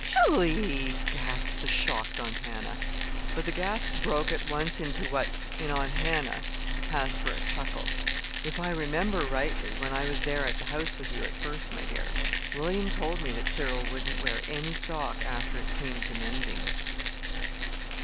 "Billy!" gasped the shocked Aunt Hannah; but the gasp broke at once into what in Aunt Hannah passed for a chuckle. "If I remember rightly, when I was there at the house with you at first, my dear, William told me that Cyril wouldn't wear any sock after it came to mending."